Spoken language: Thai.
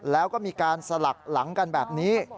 แล้วก็มีการสลักหลังกันแบบนี้